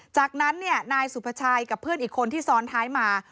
จากนั้นนายสุภาชัยกับเพื่อนอีกคนที่ซ้อนท้ายมา